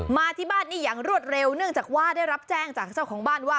มาที่บ้านนี้อย่างรวดเร็วเนื่องจากว่าได้รับแจ้งจากเจ้าของบ้านว่า